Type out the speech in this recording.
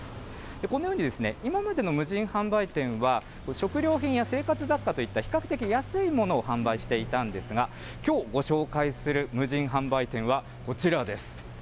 このように、今までの無人販売店は、食料品や生活雑貨といった比較的安いものを販売していたんですが、きょうご紹介する無人販売店はこちらです。